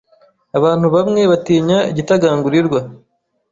Abantu bamwe batinya igitagangurirwa.